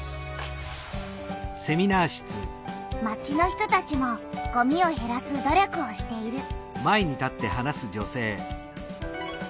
町の人たちもごみをへらす努力をしている。